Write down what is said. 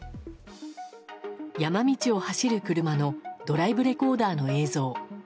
山道を走る車のドライブレコーダーの映像。